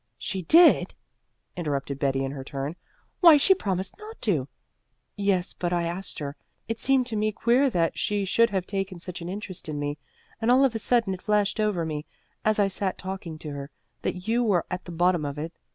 "She did!" interrupted Betty in her turn. "Why, she promised not to." "Yes, but I asked her. It seemed to me queer that she should have taken such an interest in me, and all of a sudden it flashed over me, as I sat talking to her, that you were at the bottom of it.